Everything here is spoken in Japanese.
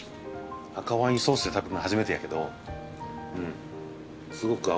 赤ワインソースで食べるの初めてやけどうんすごく合うね。